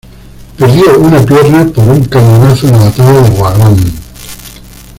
Perdió una pierna por un cañonazo en la Batalla de Wagram.